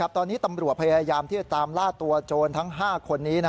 ตอนนี้ตำรวจพยายามที่จะตามล่าตัวโจรทั้ง๕คนนี้